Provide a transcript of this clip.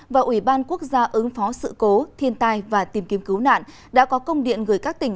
và ủy ban quốc gia ứng phó sự cố thiên tai và tìm kiếm cứu nạn đã có công điện gửi các tỉnh